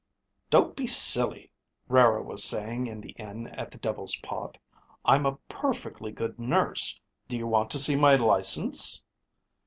"Don't be silly," Rara was saying in the inn at the Devil's Pot. "I'm a perfectly good nurse. Do you want to see my license?"